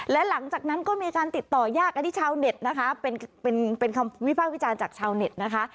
และหลังจากนั้นก็มีการติดต่อยากกันที่ชาวเน็ตนะคะเป็นคำวิพากษ์วิจารณ์จากชาวเน็ตนะคะ